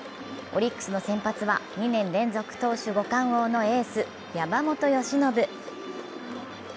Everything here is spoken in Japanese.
オリックスの先発は２年連続投手五冠王のエース・山本由伸。